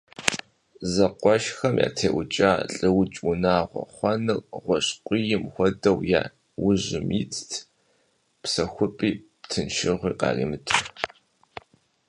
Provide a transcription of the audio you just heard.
Зэкъуэшхэм ятеӀукӀа «лӀыукӀ унагъуэ» хъуэныр гъуэжькуийм хуэдэу, я ужьым итт, псэхупӀи тыншыгъуи къаримыту.